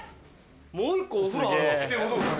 もう１個お風呂あんの？